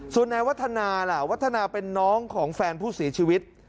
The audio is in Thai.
ส่วนนายวัฒนาล่ะวัฒนาเป็นน้องของแฟนผู้เสียชีวิต